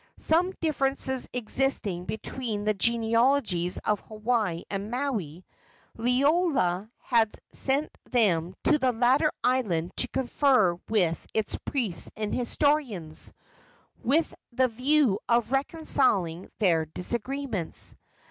Some differences existing between the genealogies of Hawaii and Maui, Liloa had sent them to the latter island to confer with its priests and historians, with the view of reconciling their disagreements.